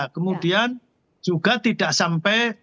kemudian juga tidak sampai